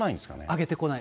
上げてこない。